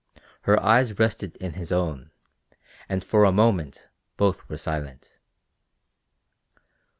Her eyes rested in his own, and for a moment both were silent.